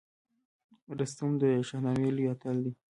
رستم د شاهنامې لوی اتل دی